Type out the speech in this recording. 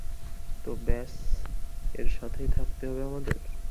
তো ব্যস এর সাথেই থাকতে হবে আমাদের?